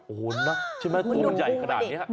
โอ้โฮนะตัวมันใหญ่ขนาดนี้